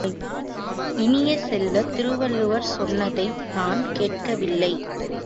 இனியசெல்வ, திருவள்ளுவர் சொன்னதைத் தான் கேட்க வில்லை.